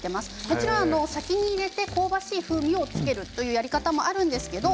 もちろん先に入れて香ばしい風味を付けるというやり方もあるんですけど。